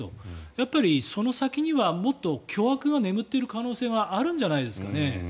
やっぱりその先にはもっと巨悪が眠っている可能性があるんじゃないですかね。